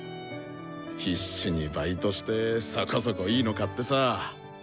必死にバイトしてそこそこいいの買ってさぁ。